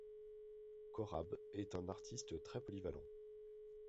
Korab est un artiste très polyvalent.